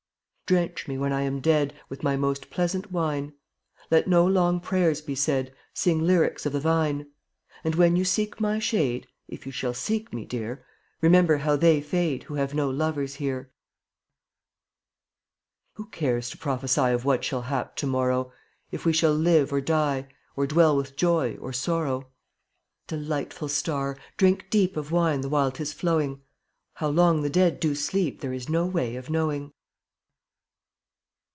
Drench me when I am dead With my most pleasant wine; Let no long prayers be said — Sing lyrics of the vine. And when you seek my shade, (If you shall seek me, Dear), Remember how they fade Who have no lovers here. mn$ Who cares to prophesy dDttt&f Of what shall hap to morrow? _~ If we shall live or die, vj*£' Or dwell with joy or sorrow? Delightful Star! drink deep Of wine the while 'tis flowing; How long the dead do sleep There is no way of knowing.